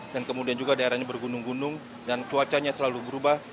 dan kemudian juga daerahnya bergunung gunung dan cuacanya selalu berubah